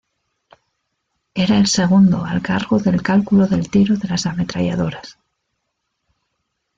Era el segundo al cargo del cálculo del tiro de las ametralladoras.